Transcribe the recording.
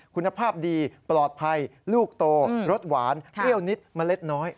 คุณภาพดีปลอดภัยลูกโตรสหวานเปรี้ยวนิดเมล็ดน้อย